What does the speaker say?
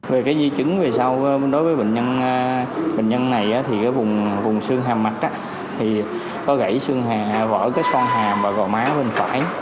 về cái di chứng về sau đối với bệnh nhân này thì vùng xương hàm mặt có gãy xương hàm vỏ xoan hàm và gò má bên phải